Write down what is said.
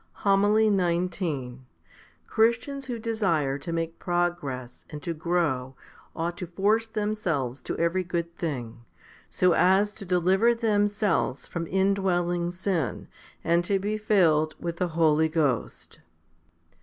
1 Eph. iii. 19. 8 Eph. iv. 13. HOMILY XIX Christians who desire to make progress and to grow ought to force themselves to every good thing, so as to deliver themselves from indwelling sin, and to be filled with the Holy Ghost.